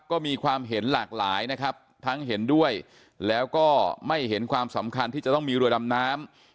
ก็มีความเห็นหลากหลายนะครับทั้งเห็นด้วยแล้วก็ไม่เห็นความสำคัญที่จะต้องมีเรือดำน้ำ